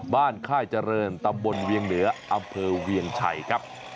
ค่ายเจริญตำบลเวียงเหนืออำเภอเวียงชัยครับ